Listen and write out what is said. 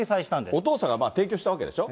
お父さんが提供したんでしょ？